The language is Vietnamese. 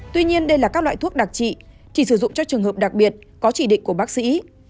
tuy nhiên đây là các loại thuốc đặc trị chỉ sử dụng cho trường hợp đặc biệt có chỉ định của bác sĩ